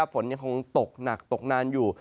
ฝนยังคงตกหนักตกนานอยู่